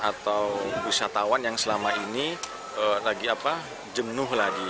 atau wisatawan yang selama ini lagi jemnuh lagi